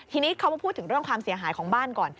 ทีนี้เขามาพูดถึงเรื่องความเสียหายของบ้านก่อน